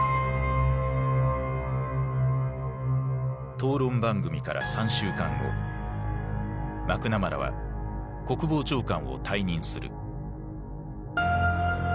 討論番組から３週間後マクナマラは国防長官を退任する。